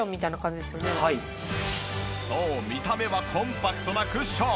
そう見た目はコンパクトなクッション！